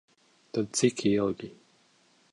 Tad cik ilgi?